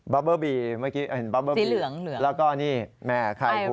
เบอร์บีเมื่อกี้เห็นบ๊าเบอร์แล้วก็นี่แม่ใครคุณ